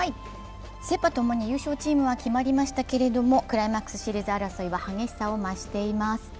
セ・パともに優勝チームが決まりましたけれどもクライマックスシリーズ争いは激しさを増しています。